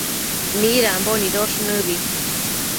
midambo nidosh nëbi